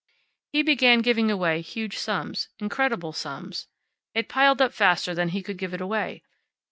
He began giving away huge sums, incredible sums. It piled up faster than he could give it away.